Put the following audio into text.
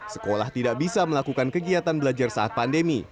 sekolah tidak bisa melakukan kegiatan belajar saat pandemi